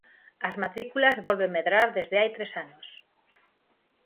As matrículas volven medrar desde hai tres anos.